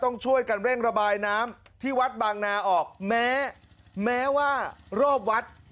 ต้องช่วยกันเร่งระบายน้ำที่วัดบางนาออกแม้แม้ว่ารอบวัด